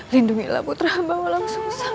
lindungilah putra amang walang sungsang